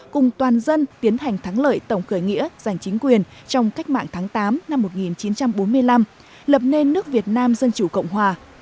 cùng toàn dân tiến hành thắng lợi tổng khởi nghĩa giành chính quyền trong cách mạng tháng tám năm một nghìn chín trăm bốn mươi năm lập nên nước việt nam dân chủ cộng hòa